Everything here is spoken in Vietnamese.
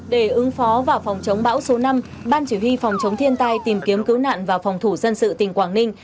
để ứng phó và phòng chống bão số năm ban chỉ huy phòng chống thiên tai tìm kiếm cứu nạn và phòng thủ dân sự tỉnh quảng ninh